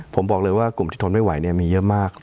ผมบอกเลยว่ากลุ่มที่ทนไม่ไหวมีเยอะมาก